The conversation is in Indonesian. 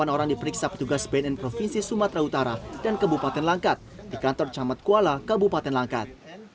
delapan orang diperiksa petugas bnn provinsi sumatera utara dan kebupaten langkat di kantor camat kuala kabupaten langkat